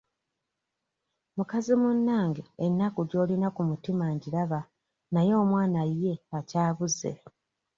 Mukazi munnange ennaku gy'olina ku mutima ngiraba naye omwana ye akyabuze.